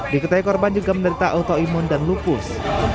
diketahui korban juga menderita autoimun dan lupus